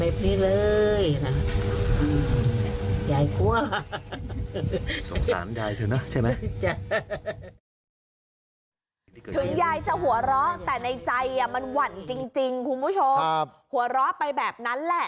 วัยรุ่นจ๋าอย่าทำแบบนี้เลย